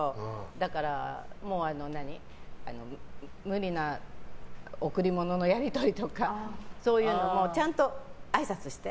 だから無理な贈り物のやり取りとかそういうのもちゃんとあいさつして。